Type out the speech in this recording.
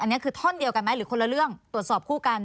อันนี้คือท่อนเดียวกันไหมหรือคนละเรื่องตรวจสอบคู่กัน